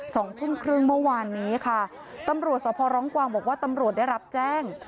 สองทุ่มครึ่งเมื่อวานนี้ค่ะตำรวจสภร้องกวางบอกว่าตำรวจได้รับแจ้ง